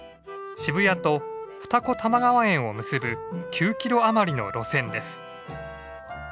渋谷と二子玉川園を結ぶ９キロあまりの路線です。